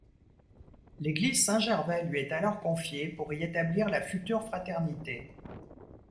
L'église Saint-Gervais lui est alors confiée pour y établir la future fraternité.